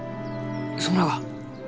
そうなが！？